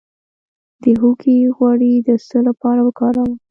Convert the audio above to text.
د هوږې غوړي د څه لپاره وکاروم؟